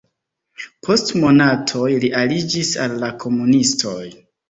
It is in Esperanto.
Post monatoj li aliĝis al la komunistoj.